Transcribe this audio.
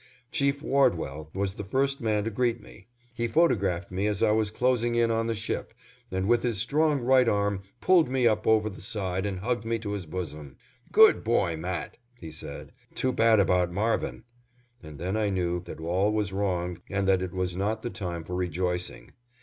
Chief Wardwell was the first man to greet me, he photographed me as I was closing in on the ship, and with his strong right arm pulled me up over the side and hugged me to his bosom. "Good boy, Matt," he said; "too bad about Marvin," and then I knew that all was wrong and that it was not the time for rejoicing.